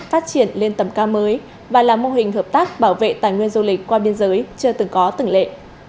phát triển lên tầm cao mới và là mô hình hợp tác bảo vệ tài nguyên du lịch qua biên giới chưa từng có từng lệ